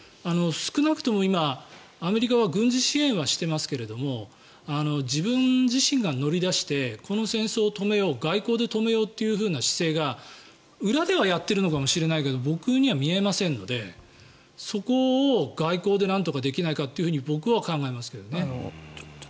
少なくとも今、アメリカは軍事支援はしていますけれど自分自身が乗り出してこの戦争を止めよう外交で止めようというような姿勢が裏では行ってるかもしれないけど僕には見えませんのでそこを外交でなんとかできないかって僕は考えますけどね。